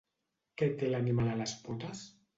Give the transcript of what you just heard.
Què té l'animal a les potes?